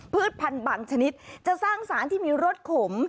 พันธุ์บางชนิดจะสร้างสารที่มีรสขม